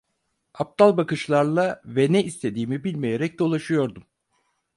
Aptal bakışlarla ve ne istediğimi bilmeyerek dolaşıyordum.